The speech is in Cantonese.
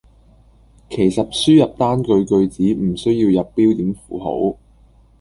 其實輸入單句句子唔需要入標點符號